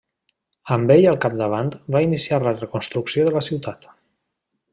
Amb ell al capdavant va iniciar la reconstrucció de la ciutat.